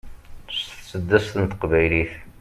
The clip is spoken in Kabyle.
s tseddast n teqbaylit